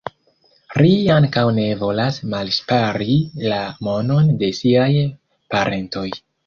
Ri ankaŭ ne volas malŝpari la monon de siaj parentoj.